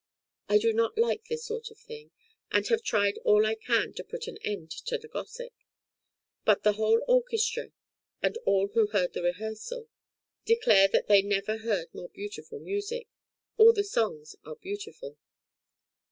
I do not like this sort of thing, and have tried all I can to put an end to the gossip; but the whole orchestra, and all who heard the rehearsal, declare that they never heard more beautiful music; all the songs are beautiful."